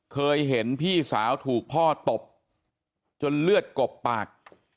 เคยเห็นพี่สาวถูกพ่อตบจนเลือดกบปาก